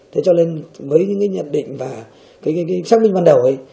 thế cho nên với những cái nhận định và cái xác minh ban đầu ấy